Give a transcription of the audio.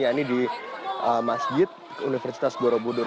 yaitu di masjid universitas borobudur